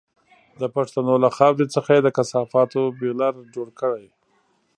د پښتنو له خاورې څخه یې د کثافاتو بيولر جوړ کړی.